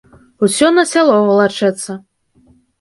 Усё на сяло валачэцца.